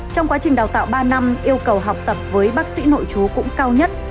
trong quá trình đào tạo ba năm yêu cầu học tập với bác sĩ nội chú cũng cao nhất